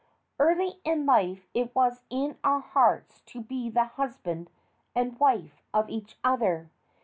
Early in life it was in our hearts to be the husband and wife of each other.